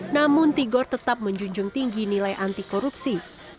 namun tigor tetap menjunjung tinggi nilai anti korupsi